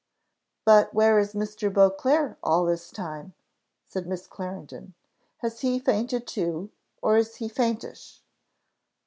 "But where is Mr. Beauclerc all this time?" said Miss Clarendon: "has he fainted too? or is he faintish?"